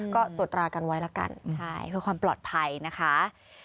ก็ตรวจรากันไว้ละกันใช่เพื่อความปลอดภัยนะคะ